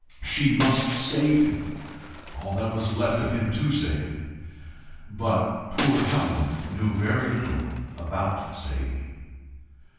She MUST save him all that was left of him to save! But poor Helen knew very little about saving.